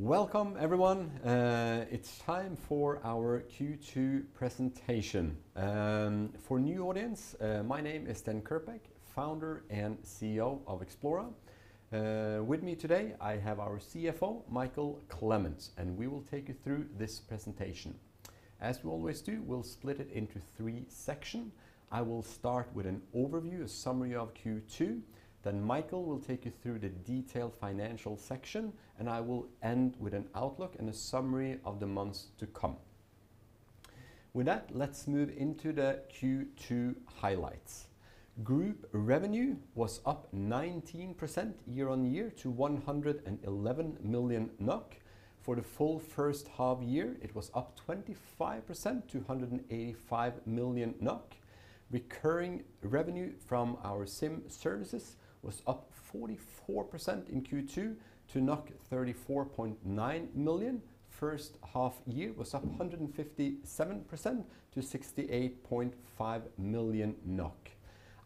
Welcome everyone. It's time for our Q2 presentation. For new audience, my name is Sten Kirkbak, Founder and CEO of Xplora. With me today I have our CFO, Mikael Clement, and we will take you through this presentation. As we always do, we'll split it into three section. I will start with an overview, a summary of Q2. Then Mikael will take you through the detailed financial section, and I will end with an outlook and a summary of the months to come. With that, let's move into the Q2 highlights. Group revenue was up 19% year-on-year to 111 million NOK. For the full first half year, it was up 25% to 185 million NOK. Recurring revenue from our SIM services was up 44% in Q2 to 34.9 million. First half year was up 157% to 68.5 million NOK.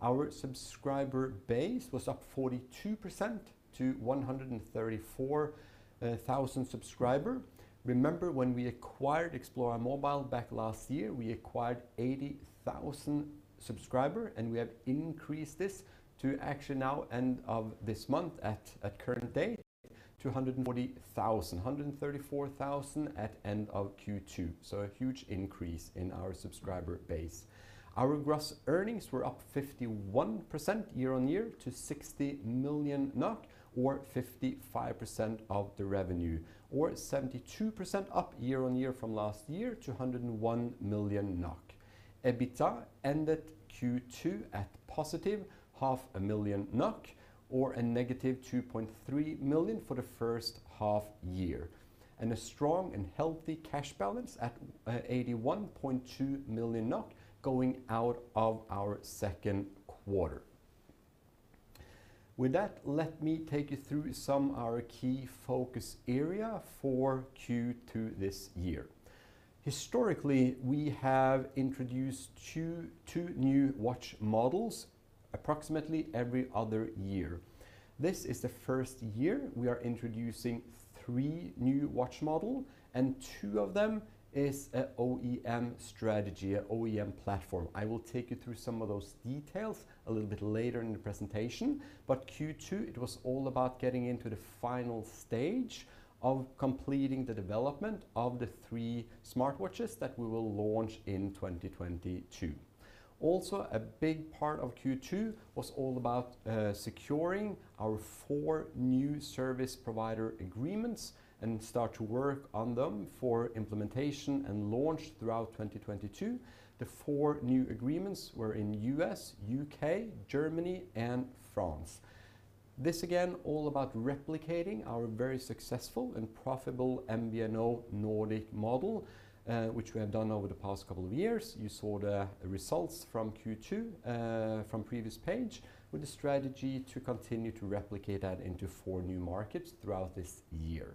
Our subscriber base was up 42% to 134,000 subscriber. Remember when we acquired Xplora Mobile back last year, we acquired 80,000 subscriber, and we have increased this to actually now end of this month at current date to 140,000. 134,000 at end of Q2. A huge increase in our subscriber base. Our gross earnings were up 51% year-on-year to 60 million NOK, or 55% of the revenue, or 72% up year-on-year from last year to 101 million NOK. EBITDA ended Q2 at positive 500,000 NOK or a negative 2.3 million NOK for the first half year, and a strong and healthy cash balance at 81.2 million NOK going out of our second quarter. With that, let me take you through some of our key focus area for Q2 this year. Historically, we have introduced two new watch models approximately every other year. This is the first year we are introducing three new watch model, and two of them is an OEM strategy, an OEM platform. I will take you through some of those details a little bit later in the presentation, but Q2, it was all about getting into the final stage of completing the development of the three smartwatches that we will launch in 2022. Also, a big part of Q2 was all about securing our four new service provider agreements and start to work on them for implementation and launch throughout 2022. The four new agreements were in U.S., U.K., Germany and France. This again all about replicating our very successful and profitable MVNO Nordic model, which we have done over the past couple of years. You saw the results from Q2, from previous page with the strategy to continue to replicate that into four new markets throughout this year.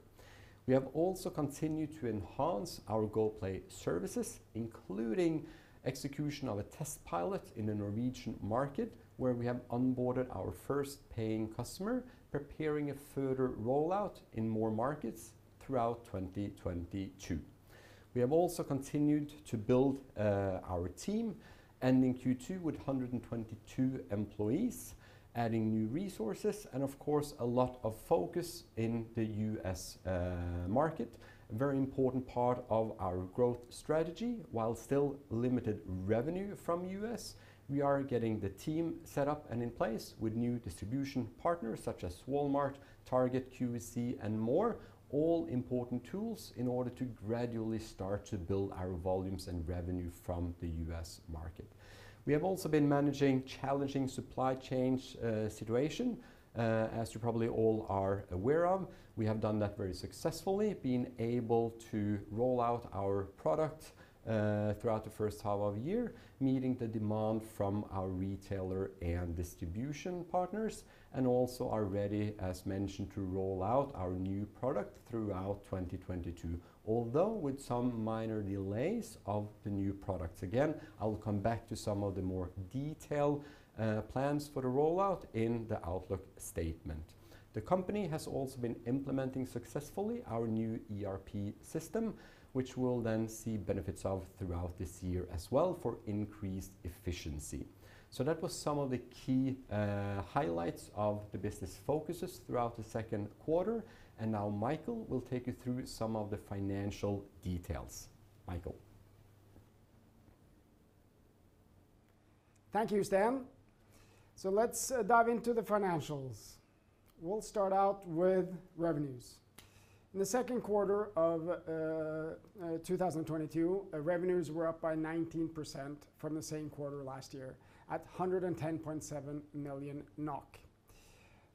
We have also continued to enhance our GoPlay services, including execution of a test pilot in the Norwegian market where we have onboarded our first paying customer, preparing a further rollout in more markets throughout 2022. We have also continued to build our team, ending Q2 with 122 employees, adding new resources and of course a lot of focus in the U.S. market. A very important part of our growth strategy, while still limited revenue from U.S., we are getting the team set up and in place with new distribution partners such as Walmart, Target, QVC and more. All important tools in order to gradually start to build our volumes and revenue from the U.S. market. We have also been managing challenging supply chain situation, as you probably all are aware of. We have done that very successfully, been able to roll out our product throughout the first half of year, meeting the demand from our retailer and distribution partners, and also are ready, as mentioned, to roll out our new product throughout 2022, although with some minor delays of the new products. Again, I will come back to some of the more detailed plans for the rollout in the outlook statement. The company has also been implementing successfully our new ERP system, which we'll then see benefits of throughout this year as well for increased efficiency. That was some of the key highlights of the business focuses throughout the second quarter. Now Mikael will take you through some of the financial details. Mikael? Thank you, Sten. Let's dive into the financials. We'll start out with revenues. In the second quarter of 2022, revenues were up by 19% from the same quarter last year at 110.7 million NOK.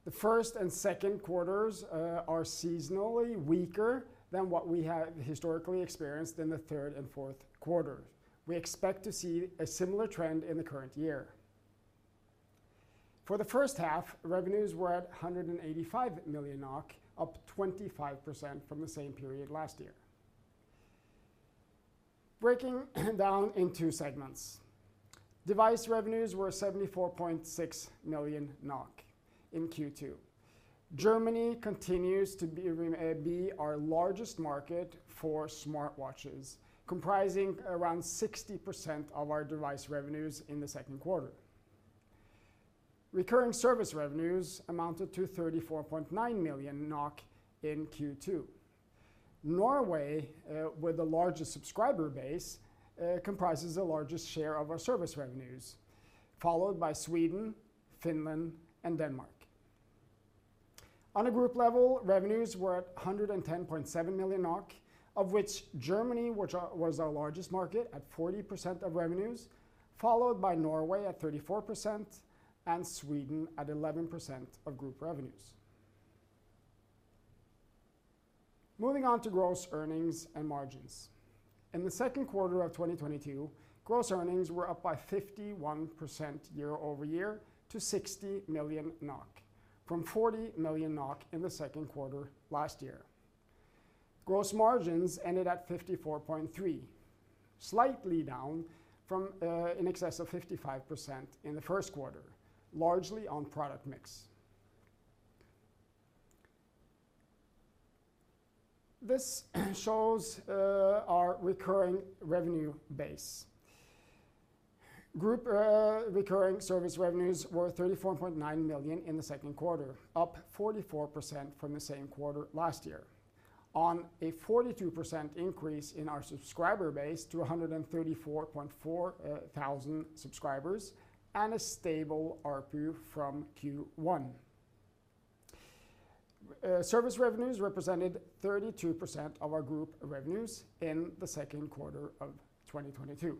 The first and second quarters are seasonally weaker than what we have historically experienced in the third and fourth quarters. We expect to see a similar trend in the current year. For the first half, revenues were at 185 million NOK, up 25% from the same period last year. Breaking down into two segments. Device revenues were 74.6 million NOK in Q2. Germany continues to be our largest market for smartwatches, comprising around 60% of our device revenues in the second quarter. Recurring service revenues amounted to 34.9 million NOK in Q2. Norway with the largest subscriber base comprises the largest share of our service revenues, followed by Sweden, Finland, and Denmark. On a group level, revenues were at 110.7 million NOK, of which Germany, which was our largest market at 40% of revenues, followed by Norway at 34% and Sweden at 11% of group revenues. Moving on to gross earnings and margins. In the second quarter of 2022, gross earnings were up by 51% year-over-year to 60 million NOK, from 40 million NOK in the second quarter last year. Gross margins ended at 54.3, slightly down from in excess of 55% in the first quarter, largely on product mix. This shows our recurring revenue base. Group recurring service revenues were 34.9 million in the second quarter, up 44% from the same quarter last year. On a 42% increase in our subscriber base to 134,400 subscribers and a stable ARPU from Q1. Service revenues represented 32% of our group revenues in the second quarter of 2022.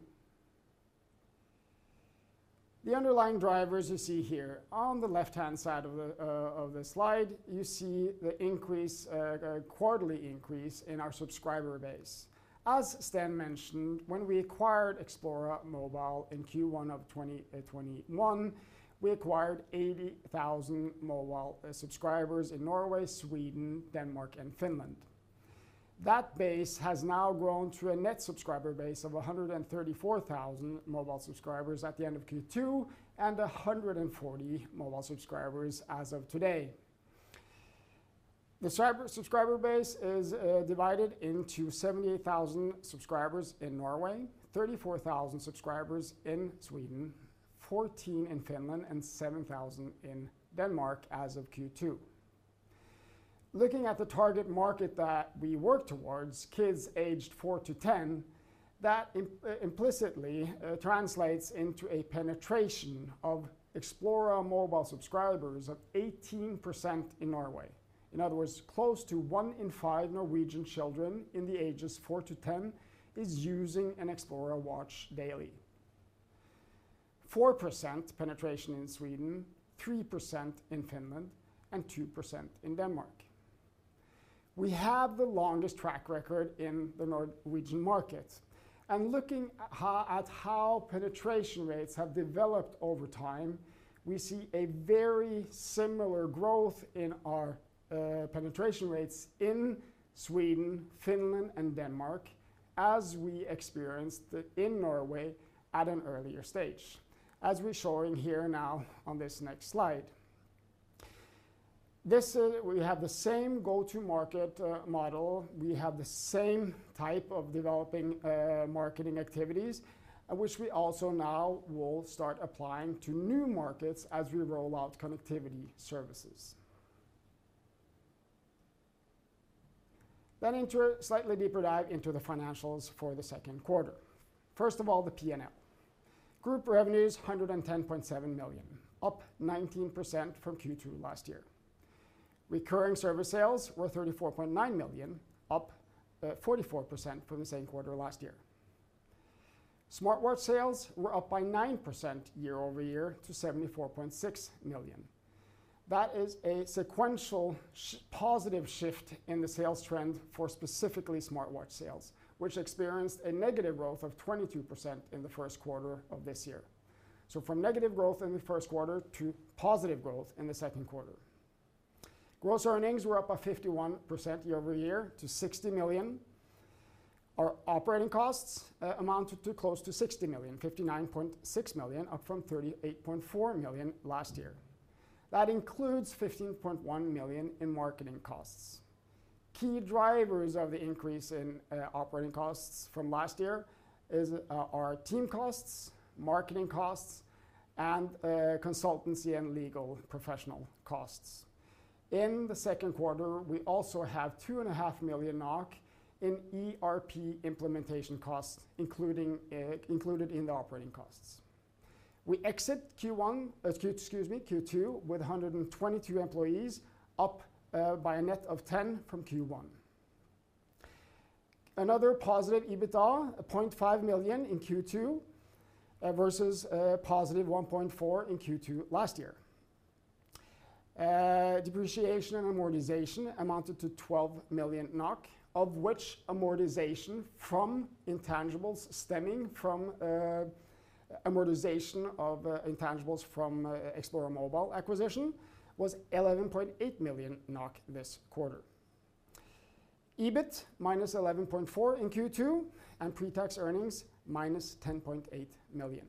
The underlying drivers you see here. On the left-hand side of the slide, you see the quarterly increase in our subscriber base. As Sten mentioned, when we acquired Xplora Mobile in Q1 of 2021, we acquired 80,000 mobile subscribers in Norway, Sweden, Denmark, and Finland. That base has now grown to a net subscriber base of 134,000 mobile subscribers at the end of Q2 and 140 mobile subscribers as of today. The subscriber base is divided into 78,000 subscribers in Norway, 34,000 subscribers in Sweden, 14,000 in Finland, and 7,000 in Denmark as of Q2. Looking at the target market that we work towards, kids aged four to 10, that implicitly translates into a penetration of Xplora Mobile subscribers of 18% in Norway. In other words, close to one in five Norwegian children in the ages four to 10 is using an Xplora watch daily. 4% penetration in Sweden, 3% in Finland, and 2% in Denmark. We have the longest track record in the Norwegian market. Looking at how penetration rates have developed over time, we see a very similar growth in our penetration rates in Sweden, Finland, and Denmark as we experienced in Norway at an earlier stage, as we're showing here now on this next slide. This we have the same go-to-market model. We have the same type of developing marketing activities, which we also now will start applying to new markets as we roll out connectivity services. Into a slightly deeper dive into the financials for the second quarter. First of all, the P&L. Group revenues, 110.7 million, up 19% from Q2 last year. Recurring service sales were 34.9 million, up 44% from the same quarter last year. Smartwatch sales were up by 9% year-over-year to 74.6 million. That is a sequential positive shift in the sales trend for specifically smartwatch sales, which experienced a negative growth of 22% in the first quarter of this year. From negative growth in the first quarter to positive growth in the second quarter. Gross earnings were up by 51% year-over-year to 60 million. Our operating costs amounted to close to 60 million, 59.6 million, up from 38.4 million last year. That includes 15.1 million in marketing costs. Key drivers of the increase in operating costs from last year is our team costs, marketing costs, and consultancy and legal professional costs. In the second quarter, we also have 2.5 million NOK in ERP implementation costs, included in the operating costs. We exit Q2 with 122 employees, up by a net of 10 from Q1. Another positive EBITDA, 0.5 million in Q2 versus a positive 1.4 million in Q2 last year. Depreciation and amortization amounted to 12 million NOK, of which amortization from intangibles standing, from amortization of intangible from Xplora Mobile acquisition was 11.8 million NOK this quarter. EBIT -11.4 million in Q2, and pretax earnings -10.8 million.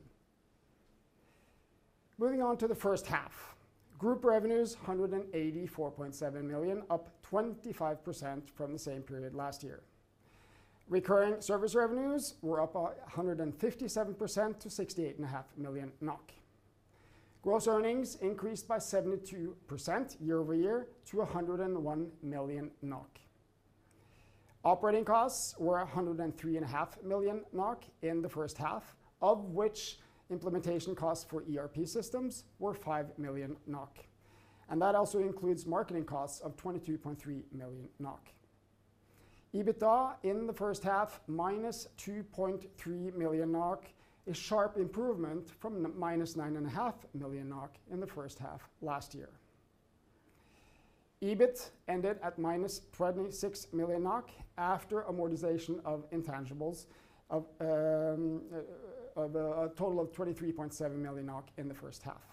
Moving on to the first half. Group revenues 184.7 million, up 25% from the same period last year. Recurring service revenues were up 157% to 68.5 million NOK. Gross earnings increased by 72% year-over-year to 101 million NOK. Operating costs were 103.5 million NOK in the first half, of which implementation costs for ERP systems were 5 million NOK, and that also includes marketing costs of 22.3 million NOK. EBITDA in the first half, -2.3 million NOK, a sharp improvement from -9.5 million NOK in the first half last year. EBIT ended at -26 million NOK after amortization of intangibles of a total of 23.7 million NOK in the first half.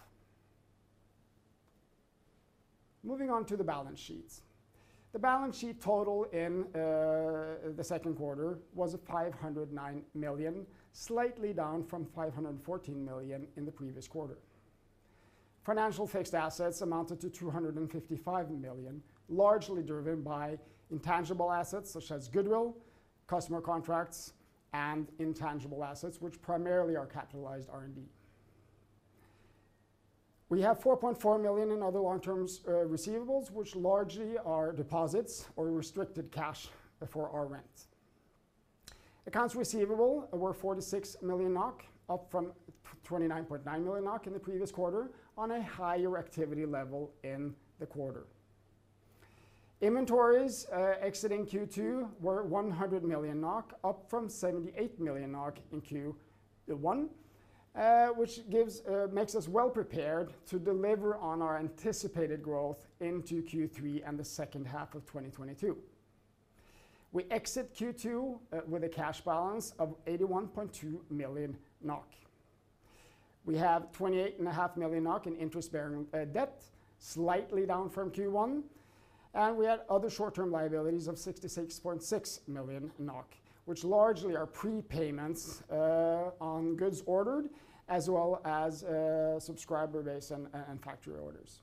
Moving on to the balance sheets. The balance sheet total in the second quarter was at 509 million, slightly down from 514 million in the previous quarter. Financial fixed assets amounted to 255 million, largely driven by intangible assets such as goodwill, customer contracts, and intangible assets, which primarily are capitalized R&D. We have 4.4 million in other long-term receivables, which largely are deposits or restricted cash for our rent. Accounts receivable were 46 million NOK, up from 29.9 million NOK in the previous quarter on a higher activity level in the quarter. Inventories exiting Q2 were 100 million NOK, up from 78 million NOK in Q1, which makes us well prepared to deliver on our anticipated growth into Q3 and the second half of 2022. We exit Q2 with a cash balance of 81.2 million NOK. We have 28.5 million NOK in interest-bearing debt, slightly down from Q1, and we had other short-term liabilities of 66.6 million NOK, which largely are prepayments on goods ordered, as well as subscriber base and factory orders.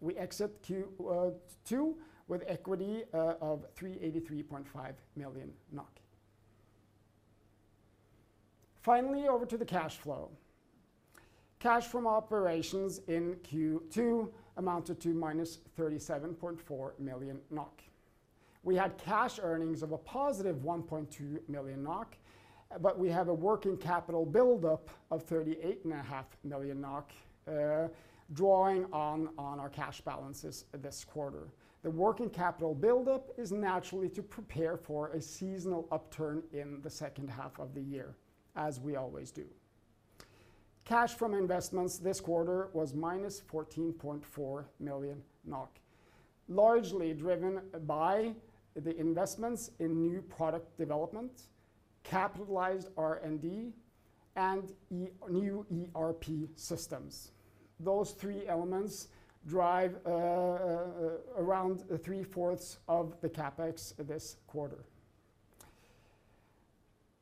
We exit Q2 with equity of NOK 383.5 million. Finally, over to the cash flow. Cash from operations in Q2 amounted to -37.4 million NOK. We had cash earnings of a positive 1.2 million NOK, but we have a working capital build-up of 38.5 million NOK, drawing on our cash balances this quarter. The working capital build-up is naturally to prepare for a seasonal upturn in the second half of the year, as we always do. Cash from investments this quarter was -14.4 million NOK, largely driven by the investments in new product development, capitalized R&D, and new ERP systems. Those three elements drive around three-fourths of the CapEx this quarter.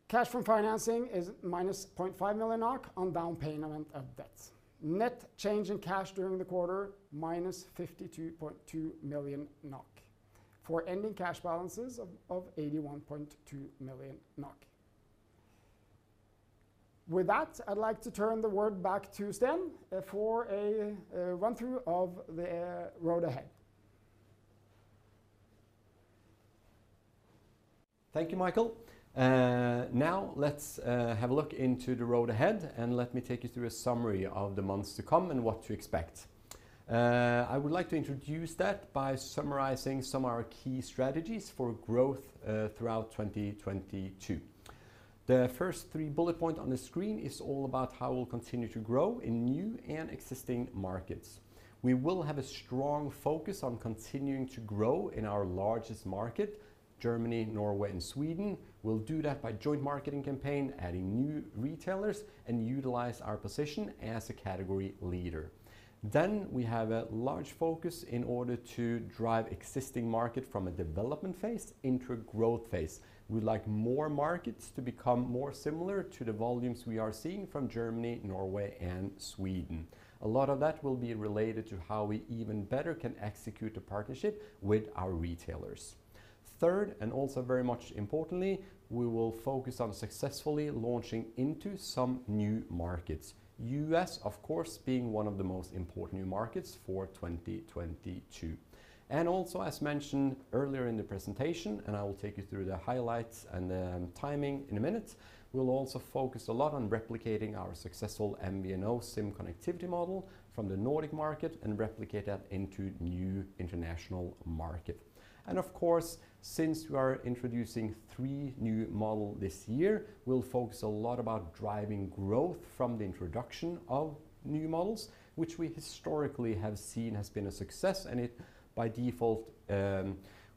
Cash from financing is -0.5 million NOK on down payment of debts. Net change in cash during the quarter, -52.2 million NOK, for ending cash balances of 81.2 million NOK. With that, I'd like to turn it back to Sten for a run-through of the road ahead. Thank you, Mikael. Now let's have a look into the road ahead, and let me take you through a summary of the months to come and what to expect. I would like to introduce that by summarizing some of our key strategies for growth throughout 2022. The first three bullet point on the screen is all about how we'll continue to grow in new and existing markets. We will have a strong focus on continuing to grow in our largest market, Germany, Norway, and Sweden. We'll do that by joint marketing campaign, adding new retailers, and utilize our position as a category leader. We have a large focus in order to drive existing market from a development phase into a growth phase. We'd like more markets to become more similar to the volumes we are seeing from Germany, Norway, and Sweden. A lot of that will be related to how we even better can execute a partnership with our retailers. Third, and also very much importantly, we will focus on successfully launching into some new markets. U.S., of course, being one of the most important new markets for 2022. Also, as mentioned earlier in the presentation, and I will take you through the highlights and the timing in a minute, we'll also focus a lot on replicating our successful MVNO SIM connectivity model from the Nordic market and replicate that into new international market. Of course, since we are introducing three new model this year, we'll focus a lot about driving growth from the introduction of new models, which we historically have seen has been a success, and it, by default,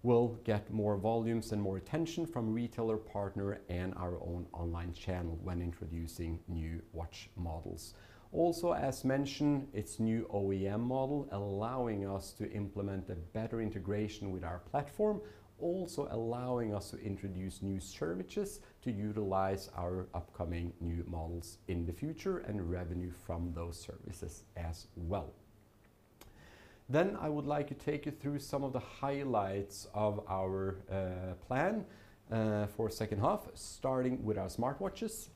will get more volumes and more attention from retailer partner and our own online channel when introducing new watch models. Also, as mentioned, it's new OEM model allowing us to implement a better integration with our platform, also allowing us to introduce new services to utilize our upcoming new models in the future and revenue from those services as well. I would like to take you through some of the highlights of our plan for second half, starting with our smartwatches.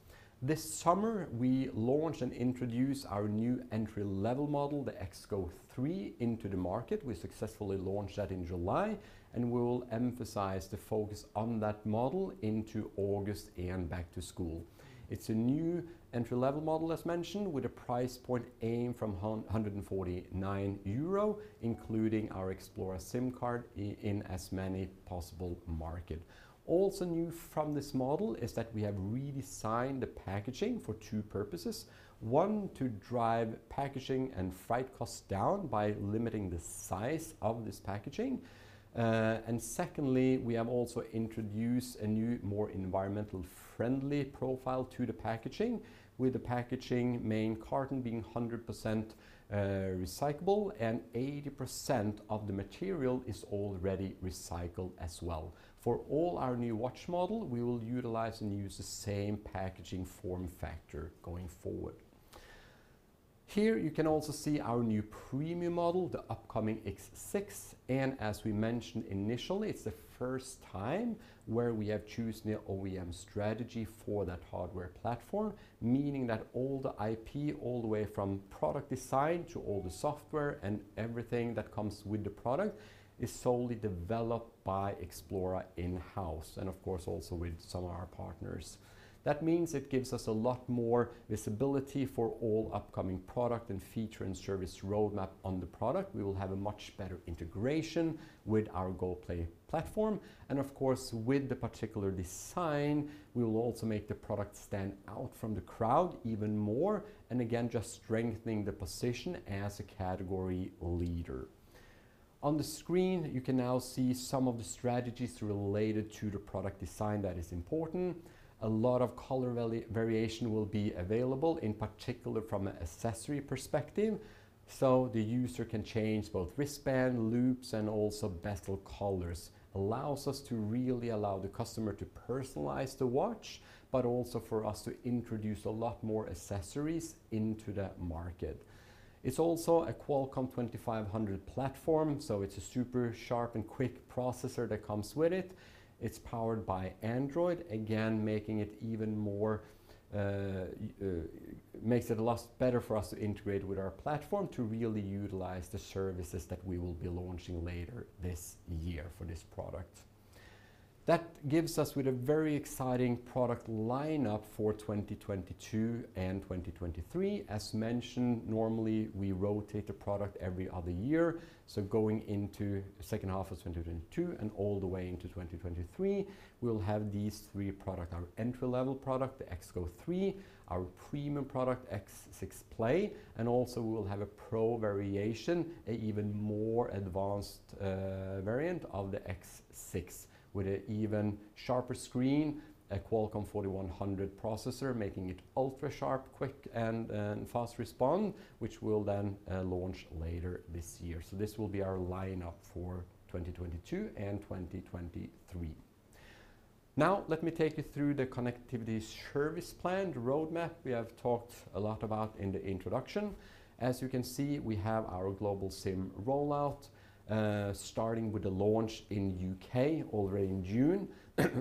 This summer, we launched and introduced our new entry-level model, the XGO3, into the market. We successfully launched that in July and will emphasize the focus on that model into August and back to school. It's a new entry-level model, as mentioned, with a price point aim from 149 euro, including our Xplora SIM card in as many possible markets. Also new from this model is that we have redesigned the packaging for two purposes. One, to drive packaging and freight costs down by limiting the size of this packaging. And secondly, we have also introduced a new, more environmentally friendly profile to the packaging, with the packaging main carton being 100% recyclable, and 80% of the material is already recycled as well. For all our new watch models, we will utilize and use the same packaging form factor going forward. Here you can also see our new premium model, the upcoming X6. As we mentioned initially, it's the first time where we have chosen the OEM strategy for that hardware platform, meaning that all the IP, all the way from product design to all the software and everything that comes with the product, is solely developed by Xplora in-house and of course, also with some of our partners. That means it gives us a lot more visibility for all upcoming product and feature and service roadmap on the product. We will have a much better integration with our GoPlay platform. Of course, with the particular design, we will also make the product stand out from the crowd even more, and again, just strengthening the position as a category leader. On the screen, you can now see some of the strategies related to the product design that is important. A lot of color variation will be available, in particular from an accessory perspective, so the user can change both wristband, loops, and also bezel colors. Allows us to really allow the customer to personalize the watch, but also for us to introduce a lot more accessories into that market. It's also a Qualcomm 2500 platform, so it's a super sharp and quick processor that comes with it. It's powered by Android, again, making it even more. It makes it a lot better for us to integrate with our platform to really utilize the services that we will be launching later this year for this product. That gives us a very exciting product lineup for 2022 and 2023. As mentioned, normally, we rotate a product every other year. Going into second half of 2022 and all the way into 2023, we'll have these three products: our entry-level product, the XGO3; our premium product, X6Play; and also we will have a pro variation, an even more advanced variant of the X6, with an even sharper screen, a Qualcomm 4100 processor, making it ultra sharp, quick, and fast response, which we'll then launch later this year. This will be our lineup for 2022 and 2023. Now let me take you through the connectivity service plan, the roadmap we have talked a lot about in the introduction. As you can see, we have our global SIM rollout starting with the launch in U.K. already in June,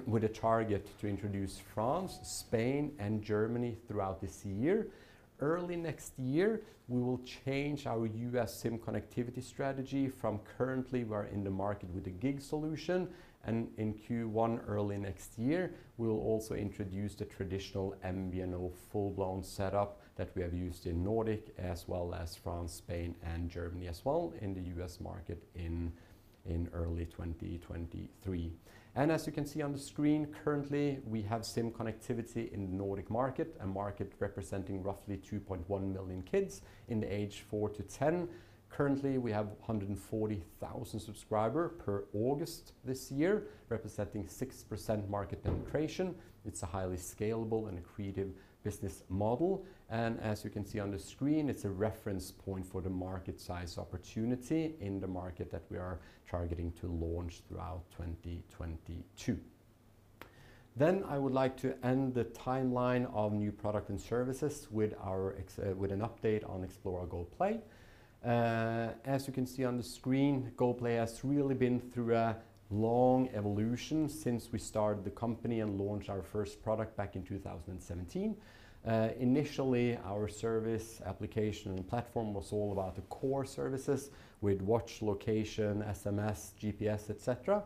with a target to introduce France, Spain, and Germany throughout this year. Early next year, we will change our U.S. SIM connectivity strategy from currently we're in the market with a Gigs solution. In Q1 early next year, we will also introduce the traditional MVNO full-blown setup that we have used in Nordic as well as France, Spain, and Germany as well in the U.S. market in early 2023. As you can see on the screen, currently we have SIM connectivity in the Nordic market, a market representing roughly 2.1 million kids in the age four to 10. Currently, we have 140,000 subscribers as of August this year, representing 6% market penetration. It's a highly scalable and accretive business model. As you can see on the screen, it's a reference point for the market size opportunity in the market that we are targeting to launch throughout 2022. I would like to end the timeline of new product and services with an update on Xplora GoPlay. As you can see on the screen, GoPlay has really been through a long evolution since we started the company and launched our first product back in 2017. Initially, our service application and platform was all about the core services with watch location, SMS, GPS, et cetera.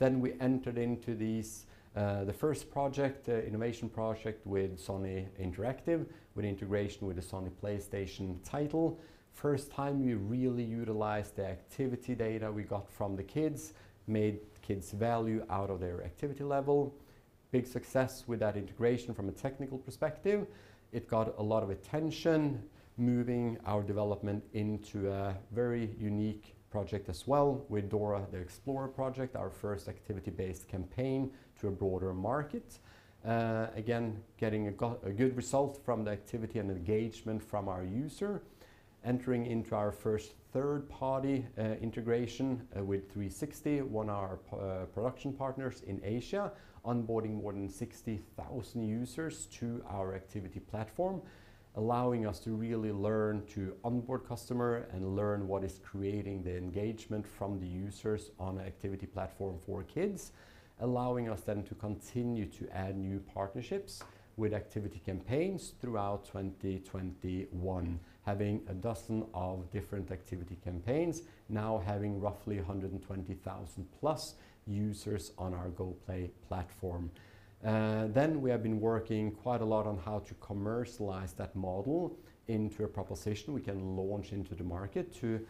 We entered into the first project, innovation project with Sony Interactive Entertainment, with integration with the Sony PlayStation title. First time we really utilized the activity data we got from the kids, made kids value out of their activity level. Big success with that integration from a technical perspective. It got a lot of attention moving our development into a very unique project as well with Dora the Explorer project, our first activity-based campaign to a broader market. Again, getting a good result from the activity and engagement from our user. Entering into our first third-party integration with 3Sixty, one of our production partners in Asia, onboarding more than 60,000 users to our activity platform, allowing us to really learn to onboard customer and learn what is creating the engagement from the users on the activity platform for kids, allowing us then to continue to add new partnerships with activity campaigns throughout 2021. Having 12 different activity campaigns, now having roughly 120,000 plus users on our GoPlay platform. We have been working quite a lot on how to commercialize that model into a proposition we can launch into the market to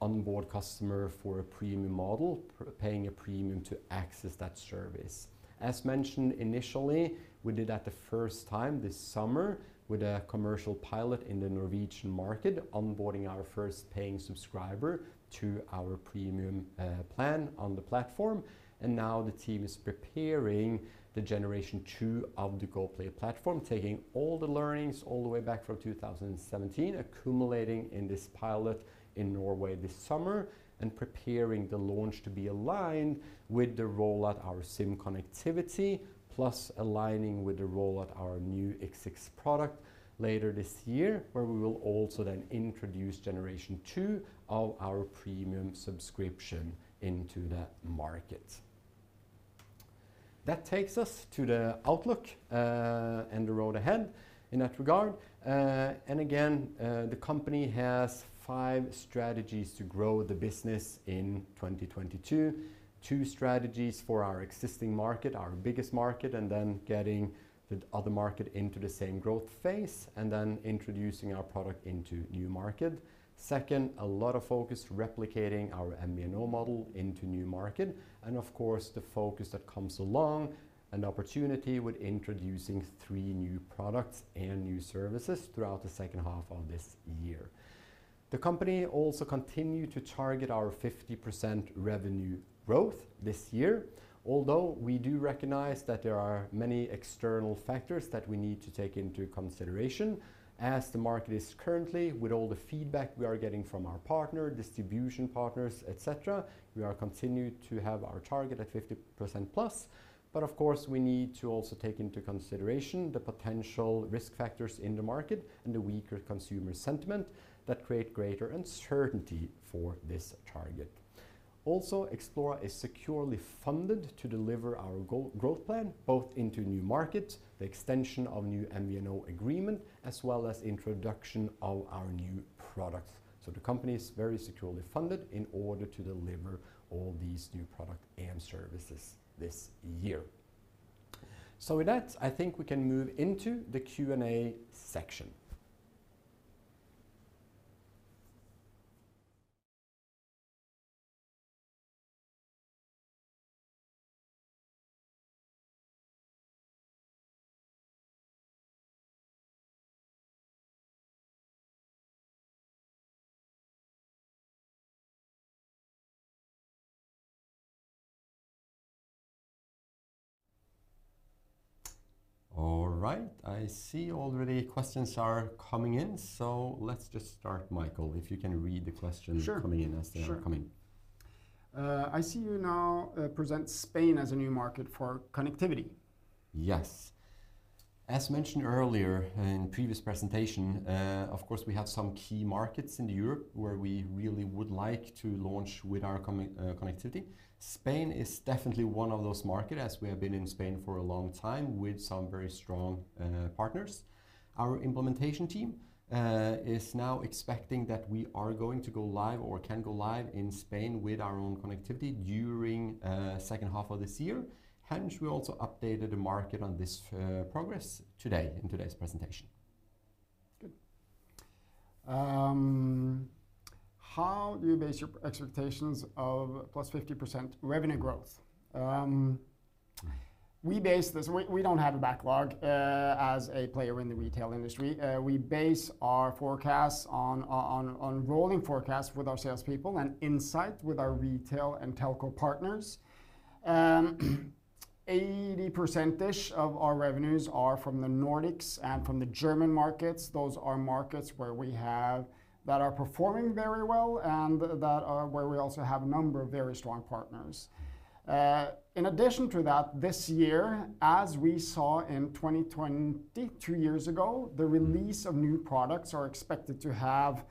onboard customer for a premium model, paying a premium to access that service. As mentioned initially, we did that the first time this summer with a commercial pilot in the Norwegian market, onboarding our first paying subscriber to our premium plan on the platform. Now the team is preparing the generation two of the Goplay platform, taking all the learnings all the way back from 2017, accumulating in this pilot in Norway this summer, and preparing the launch to be aligned with the rollout of our SIM connectivity, plus aligning with the rollout of our new X6 product later this year, where we will also then introduce generation two of our premium subscription into the market. That takes us to the outlook, and the road ahead in that regard. Again, the company has five strategies to grow the business in 2022. Two strategies for our existing market, our biggest market, and then getting the other market into the same growth phase, and then introducing our product into new market. Second, a lot of focus replicating our MVNO model into new market, and of course, the focus that comes along, an opportunity with introducing three new products and new services throughout the second half of this year. The company also continue to target our 50% revenue growth this year, although we do recognize that there are many external factors that we need to take into consideration as the market is currently with all the feedback we are getting from our partner, distribution partners, et cetera. We continue to have our target at 50%+, but of course, we need to also take into consideration the potential risk factors in the market and the weaker consumer sentiment that create greater uncertainty for this target. Also, Xplora is securely funded to deliver our growth plan, both into new markets, the extension of new MVNO agreement, as well as introduction of our new products. The company is very securely funded in order to deliver all these new products and services this year. With that, I think we can move into the Q&A section. All right. I see already questions are coming in, so let's just start, Mikael, if you can read the question. Sure. Coming in as they are coming. Sure. I see you now present Spain as a new market for connectivity. Yes. As mentioned earlier in previous presentation, of course, we have some key markets in Europe where we really would like to launch with our connectivity. Spain is definitely one of those market, as we have been in Spain for a long time with some very strong partners. Our implementation team is now expecting that we are going to go live or can go live in Spain with our own connectivity during second half of this year. Hence, we also updated the market on this progress today in today's presentation. Good. How do you base your expectations of +50% revenue growth? We base this—we don't have a backlog as a player in the retail industry. We base our forecasts on rolling forecasts with our salespeople and insight with our retail and telco partners. 80%-ish of our revenues are from the Nordics and from the German markets. Those are markets where we have that are performing very well and that are where we also have a number of very strong partners. In addition to that, this year, as we saw in 2020, two years ago, the release of new products are expected to have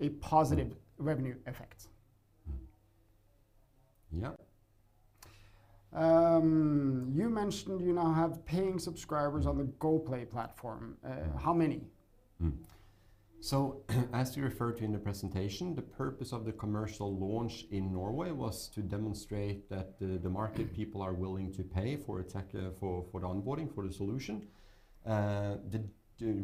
a positive revenue effect. Yep. You mentioned you now have paying subscribers on the Goplay platform. How many? As we referred to in the presentation, the purpose of the commercial launch in Norway was to demonstrate that the market people are willing to pay for a tech for the onboarding for the solution. The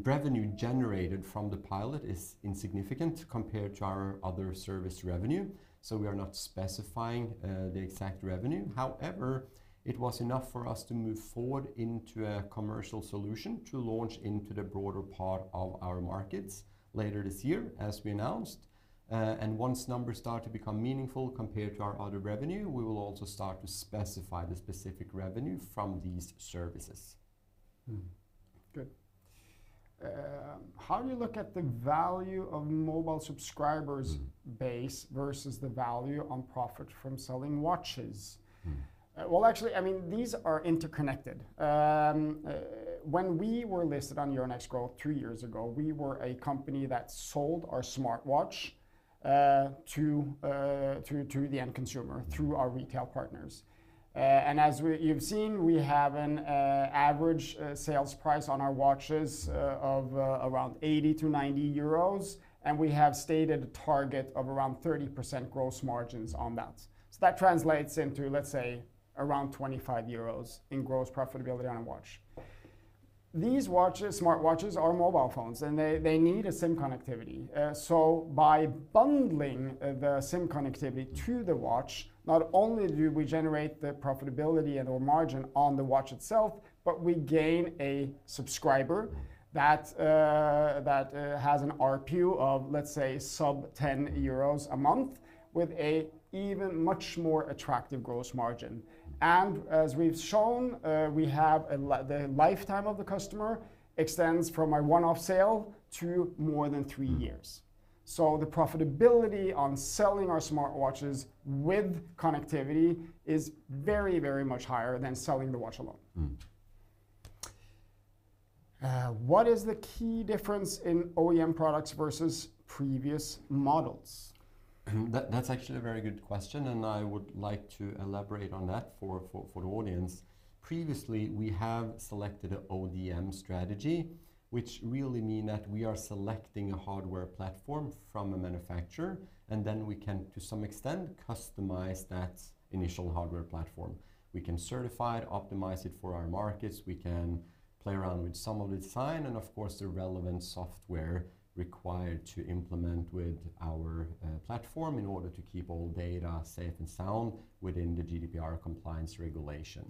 revenue generated from the pilot is insignificant compared to our other service revenue, so we are not specifying the exact revenue. However, it was enough for us to move forward into a commercial solution to launch into the broader part of our markets later this year, as we announced. Once numbers start to become meaningful compared to our other revenue, we will also start to specify the specific revenue from these services. Good. How do you look at the value of mobile subscribers? Base versus the value on profit from selling watches? Well, actually, I mean, these are interconnected. When we were listed on Euronext Growth three years ago, we were a company that sold our smartwatch to the end consumer. Through our retail partners. You've seen, we have an average sales price on our watches of around 80-90 euros, and we have stated target of around 30% gross margins on that. That translates into, let's say, around 25 euros in gross profitability on a watch. These watches, smartwatches, are mobile phones, and they need a SIM connectivity. By bundling the SIM connectivity to the watch, not only do we generate the profitability and/or margin on the watch itself, but we gain a subscriber that has an RPU of, let's say, sub-10 EUR a month with an even much more attractive gross margin. As we've shown, the lifetime of the customer extends from a one-off sale to more than three years. The profitability on selling our smartwatches with connectivity is very, very much higher than selling the watch alone. What is the key difference in OEM products versus previous models? That's actually a very good question, and I would like to elaborate on that for the audience. Previously, we have selected an ODM strategy, which really mean that we are selecting a hardware platform from a manufacturer, and then we can, to some extent, customize that initial hardware platform. We can certify it, optimize it for our markets. We can play around with some of the design and of course, the relevant software required to implement with our platform in order to keep all data safe and sound within the GDPR compliance regulation.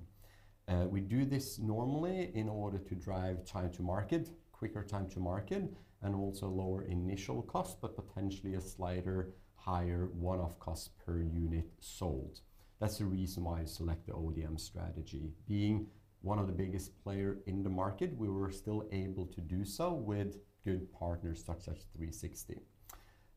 We do this normally in order to drive time to market, quicker time to market, and also lower initial cost, but potentially a slightly higher one-off cost per unit sold. That's the reason why I select the ODM strategy. Being one of the biggest players in the market, we were still able to do so with good partners such as 3Sixty.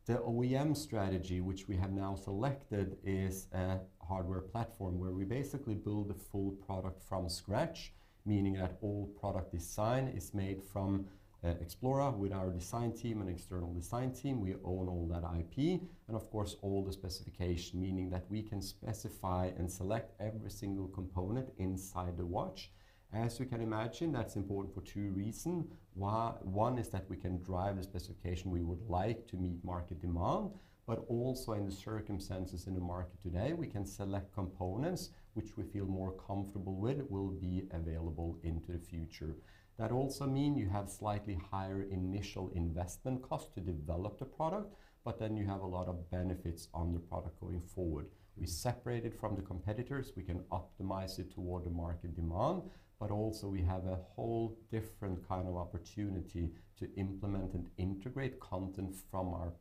The OEM strategy, which we have now selected, is a hardware platform where we basically build the full product from scratch, meaning that all product design is made from Xplora with our design team and external design team. We own all that IP and of course, all the specification, meaning that we can specify and select every single component inside the watch. As you can imagine, that's important for two reasons. One is that we can drive the specification we would like to meet market demand, but also in the circumstances in the market today, we can select components which we feel more comfortable with will be available into the future. That also mean you have slightly higher initial investment cost to develop the product, but then you have a lot of benefits on the product going forward. We separate it from the competitors, we can optimize it toward the market demand, but also we have a whole different kind of opportunity to implement and integrate content from our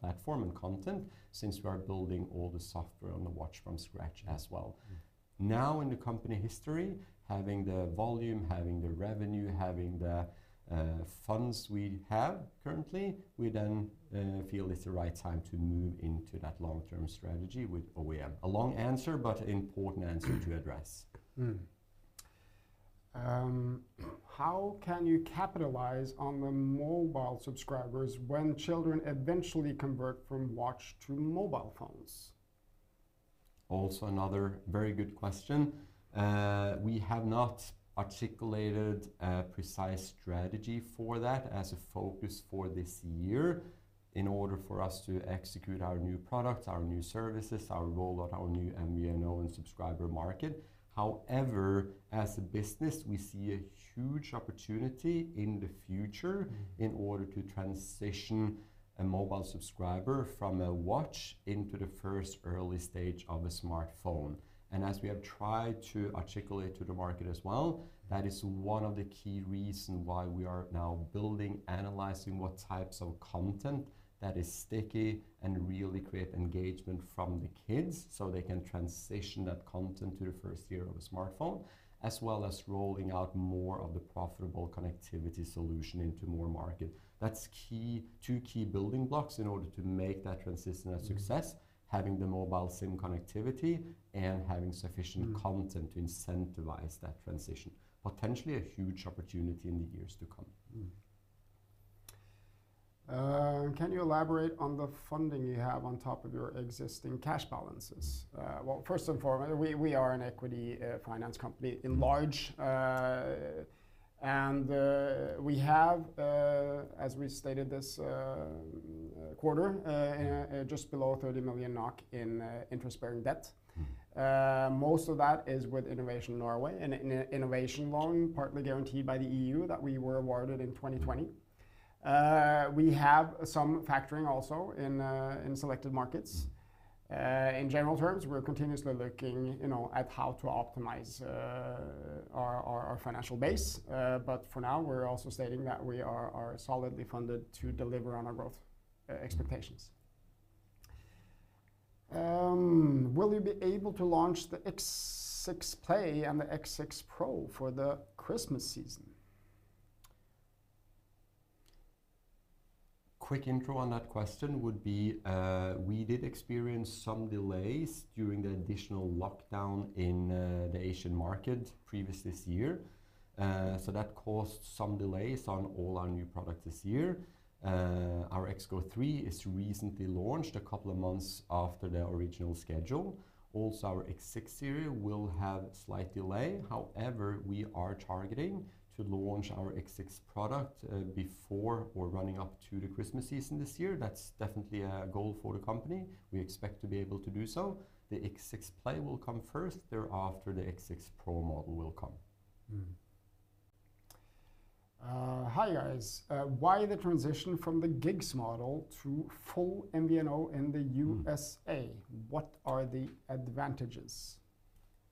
platform and content since we are building all the software on the watch from scratch as well. Now, in the company history, having the volume, having the revenue, having the funds we have currently, we then feel it's the right time to move into that long-term strategy with OEM. A long answer, but important answer to address. How can you capitalize on the mobile subscribers when children eventually convert from watch to mobile phones? Also another very good question. We have not articulated a precise strategy for that as a focus for this year in order for us to execute our new products, our new services, our rollout, our new MVNO and subscriber market. However, as a business, we see a huge opportunity in the future in order to transition a mobile subscriber from a watch into the first early stage of a smartphone. As we have tried to articulate to the market as well, that is one of the key reason why we are now building, analyzing what types of content that is sticky and really create engagement from the kids, so they can transition that content to the first Tier of a smartphone, as well as rolling out more of the profitable connectivity solution into more market. That's key, two key building blocks in order to make that transition a success. Having the mobile SIM connectivity and having sufficient content to incentivize that transition. Potentially a huge opportunity in the years to come. Can you elaborate on the funding you have on top of your existing cash balances? Well, first and foremost, we are an equity finance company enlarge and we have. As we stated this quarter, just below 30 million NOK in interest-bearing debt. Most of that is with Innovation Norway and an innovation loan partly guaranteed by the EU that we were awarded in 2020. We have some factoring also in selected markets. In general terms, we're continuously looking, you know, at how to optimize our financial base. For now, we're also stating that we are solidly funded to deliver on our growth expectations. Will you be able to launch the X6 Play and the X6 Pro for the Christmas season? Quick intro on that question would be, we did experience some delays during the additional lockdown in the Asian market previous this year. That caused some delays on all our new products this year. Our XGO3 is recently launched a couple of months after the original schedule. Also, our X6 series will have slight delay. However, we are targeting to launch our X6 product before or running up to the Christmas season this year. That's definitely a goal for the company. We expect to be able to do so. The X6 Play will come first. Thereafter, the X6 Pro model will come. Hi, guys. Why the transition from the Gigs model to full MVNO in the USA? What are the advantages?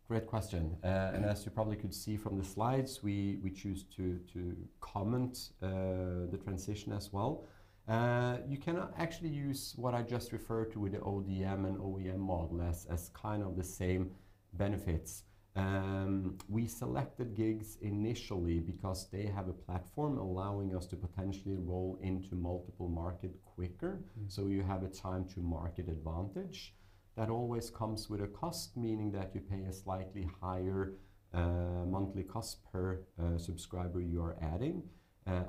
Great question. As you probably could see from the slides, we choose to comment the transition as well. You cannot actually use what I just referred to with the ODM and OEM model as kind of the same benefits. We selected Gigs initially because they have a platform allowing us to potentially roll into multiple markets quicker. You have a time to market advantage. That always comes with a cost, meaning that you pay a slightly higher monthly cost per subscriber you are adding.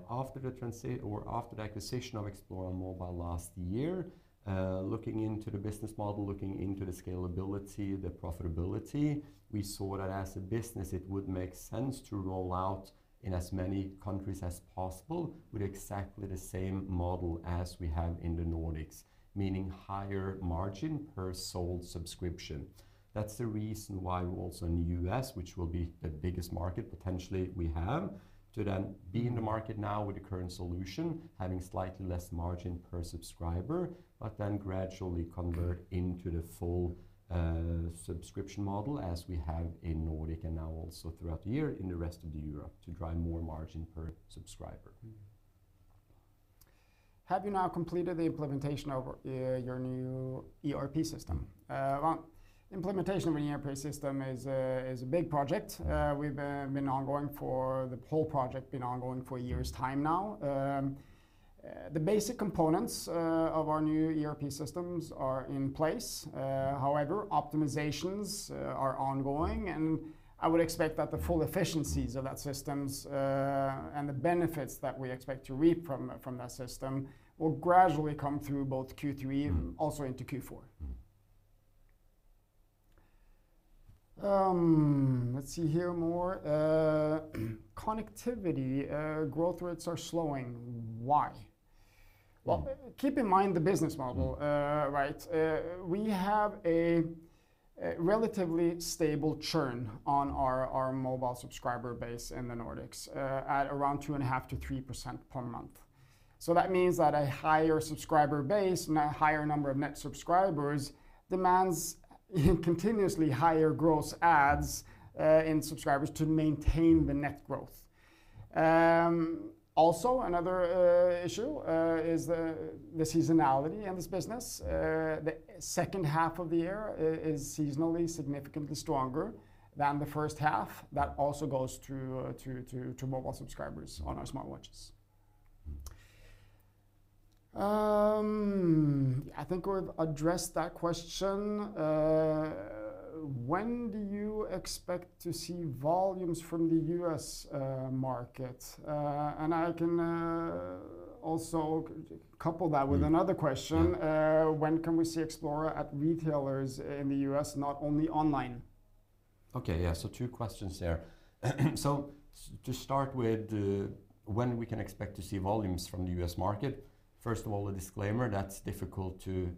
After the acquisition of Xplora Mobile last year, looking into the business model, looking into the scalability, the profitability, we saw that as a business, it would make sense to roll out in as many countries as possible with exactly the same model as we have in the Nordics, meaning higher margin per sold subscription. That's the reason why we're also in the U.S., which will be the biggest market potentially we have, to then be in the market now with the current solution, having slightly less margin per subscriber, but then gradually convert into the full, subscription model as we have in Nordic and now also throughout the year in the rest of Europe to drive more margin per subscriber. Have you now completed the implementation of your new ERP system? Well, implementation of an ERP system is a big project. We've been ongoing for the whole project for a year's time now. The basic components of our new ERP systems are in place. However, optimizations are ongoing, and I would expect that the full efficiencies of that systems and the benefits that we expect to reap from that system will gradually come through both Q3. Also into Q4. Let's see here more. Connectivity growth rates are slowing. Why? Well. Well, keep in mind the business model. We have a relatively stable churn on our mobile subscriber base in the Nordics at around 2.5%-3% per month. That means that a higher subscriber base and a higher number of net subscribers demands continuously higher gross adds in subscribers to maintain the net growth. Also another issue is the seasonality in this business. The second half of the year is seasonally significantly stronger than the first half. That also goes to mobile subscribers on our smartwatches. I think we've addressed that question. When do you expect to see volumes from the U.S. market? I can also couple that. With another question. Yeah. When can we see Xplora at retailers in the U.S., not only online? Two questions there. To start with, when we can expect to see volumes from the U.S. market, first of all, a disclaimer, that's difficult to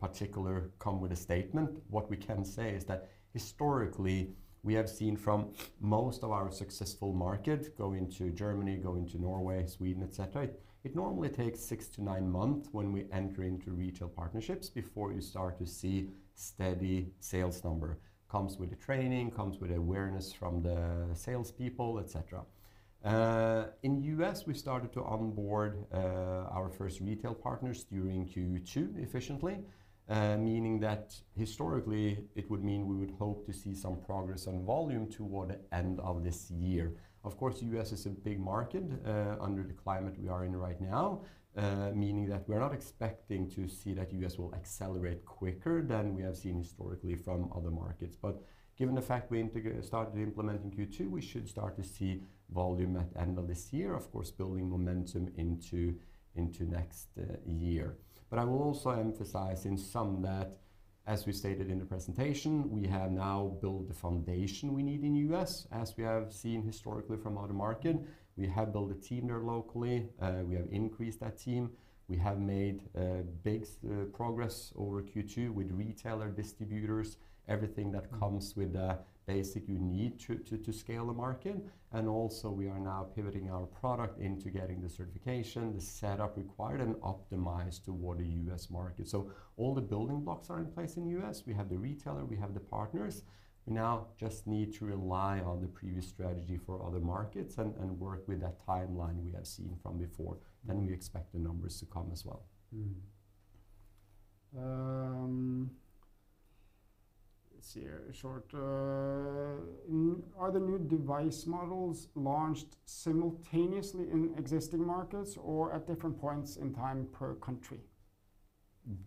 particularly come up with a statement. What we can say is that historically, we have seen from most of our successful markets, going to Germany, going to Norway, Sweden, et cetera, it normally takes six-nine month when we enter into retail partnerships before you start to see steady sales number. Comes with the training, comes with awareness from the salespeople, et cetera. In U.S., we started to onboard our first retail partners during Q2 effectively, meaning that historically, it would mean we would hope to see some progress on volume toward the end of this year. Of course, U.S. is a big market, in the climate we are in right now, meaning that we're not expecting to see that U.S. will accelerate quicker than we have seen historically from other markets. Given the fact we started implementing in Q2, we should start to see volume at end of this year, of course, building momentum into next year. I will also emphasize in some that as we stated in the presentation, we have now built the foundation we need in U.S. as we have seen historically from other markets. We have built a team there locally. We have increased that team. We have made big progress over Q2 with retail distributors, everything that comes with the basics you need to scale the market. We are now pivoting our product into getting the certification, the setup required, and optimized toward the U.S. market. All the building blocks are in place in U.S. We have the retailer, we have the partners. We now just need to rely on the previous strategy for other markets and work with that timeline we have seen from before. We expect the numbers to come as well. Are the new device models launched simultaneously in existing markets or at different points in time per country?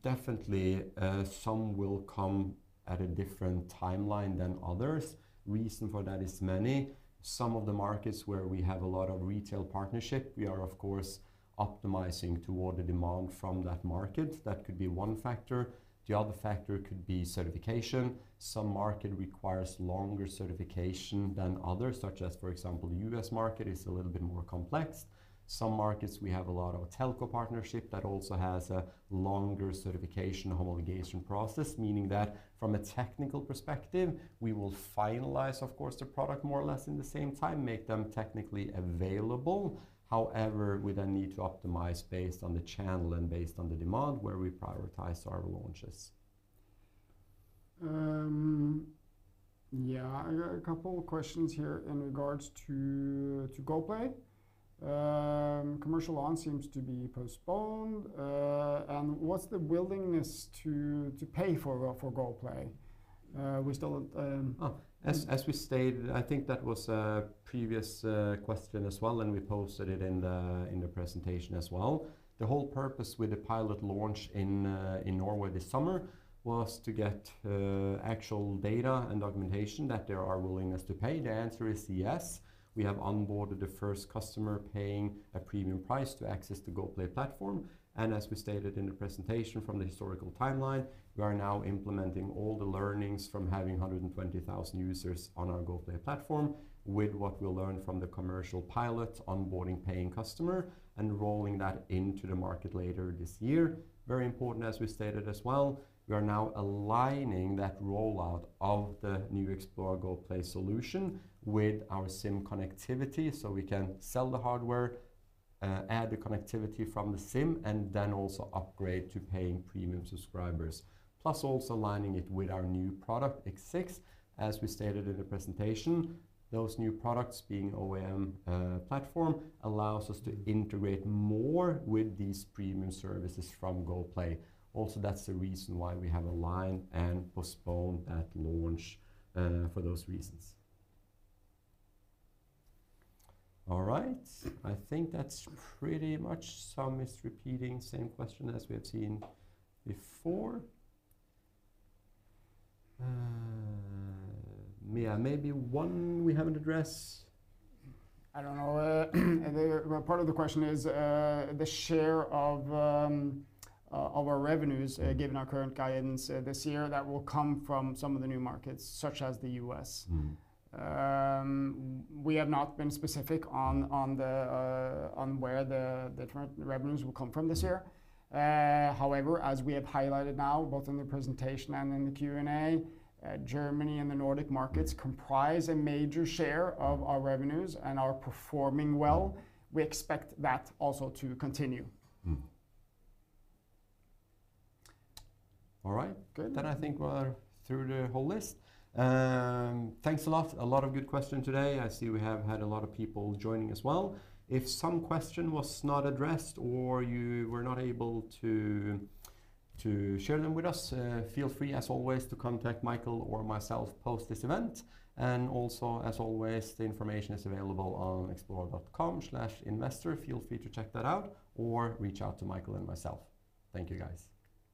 Definitely, some will come at a different timeline than others. Reason for that is many. Some of the markets where we have a lot of retail partnership, we are, of course, optimizing toward the demand from that market. That could be one factor. The other factor could be certification. Some market requires longer certification than others, such as, for example, the U.S. market is a little bit more complex. Some markets, we have a lot of telco partnership that also has a longer certification homologation process, meaning that from a technical perspective, we will finalize, of course, the product more or less in the same time, make them technically available. However, we then need to optimize based on the channel and based on the demand where we prioritize our launches. Yeah. I got a couple questions here in regards to Goplay. Commercial launch seems to be postponed. What's the willingness to pay for Goplay? We still. As we stated, I think that was a previous question as well, and we posted it in the presentation as well. The whole purpose with the pilot launch in Norway this summer was to get actual data and documentation that there are willingness to pay. The answer is yes. We have onboarded the first customer paying a premium price to access the GoPlay platform, and as we stated in the presentation from the historical timeline, we are now implementing all the learnings from having 120,000 users on our GoPlay platform with what we'll learn from the commercial pilot onboarding paying customer and rolling that into the market later this year. Very important, as we stated as well, we are now aligning that rollout of the new Xplora GoPlay solution with our SIM connectivity so we can sell the hardware, add the connectivity from the SIM, and then also upgrade to paying premium subscribers. Plus, also aligning it with our new product X6. As we stated in the presentation, those new products being OEM platform allows us to integrate more with these premium services from GoPlay. Also, that's the reason why we have aligned and postponed that launch for those reasons. All right. I think that's pretty much. Someone is repeating same question as we have seen before. May a, maybe one we haven't addressed. I don't know. Well, part of the question is, the share of our revenues, given our current guidance, this year that will come from some of the new markets, such as the U.S. We have not been specific on where the current revenues will come from this year. However, as we have highlighted now, both in the presentation and in the Q&A, Germany and the Nordic markets comprise a major share of our revenues and are performing well. We expect that also to continue. All right. Good. I think we're through the whole list. Thanks a lot. A lot of good question today. I see we have had a lot of people joining as well. If some question was not addressed or you were not able to to share them with us, feel free, as always, to contact Mikael or myself post this event. Also, as always, the information is available on xplora.com/investor. Feel free to check that out or reach out to Mikael and myself. Thank you, guys.